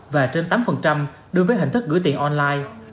và trên tám đối với hình thức gửi tiền online